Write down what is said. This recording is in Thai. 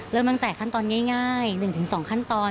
เริ่มจากขั้นตอนง่าย๑๒ขั้นตอน